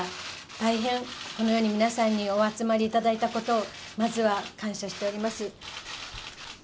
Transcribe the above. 大変、このように皆さんにお集まりいただいたことを、まずは感謝しております。